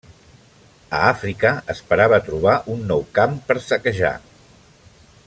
A Àfrica esperava trobar un nou camp per saquejar.